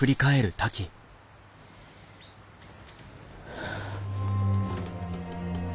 はあ。